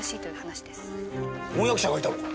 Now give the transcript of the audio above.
婚約者がいたのか？